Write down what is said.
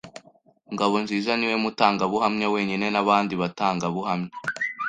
Ngabonziza niwe mutangabuhamya wenyine. Nta bandi batangabuhamya.